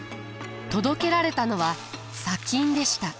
届けられたのは砂金でした。